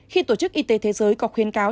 khi tổ chức y tế thế giới có khuyên cáo